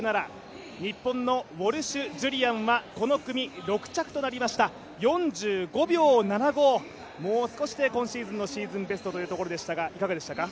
日本のウォルシュ・ジュリアンはこの組、６着となりました４５秒７５、もう少し今シーズンのシーズンベストでしたがいかがでしたか？